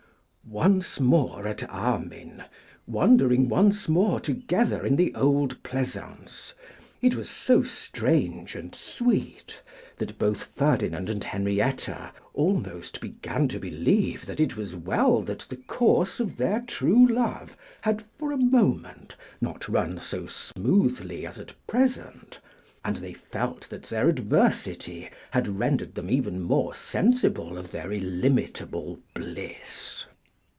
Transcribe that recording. Once more at Armine; wandering once more together in the old pleasaunce; it was so strange and sweet, that both Ferdinand and Henrietta almost began to believe that it was well that the course of their true love had for a moment not run so smoothly as at present, and they felt that their adversity had rendered them even more sensible of their illimitable bliss.